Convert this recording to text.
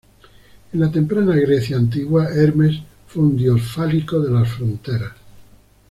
En la temprana Grecia Antigua, Hermes fue un dios fálico de las fronteras.